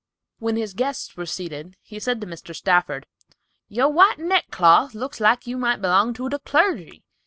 When his guests were seated, he said to Mr. Stafford, "Your white neck cloth looks like you might belong to the clergy.